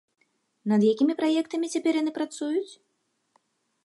Над якімі праектамі цяпер яны працуюць?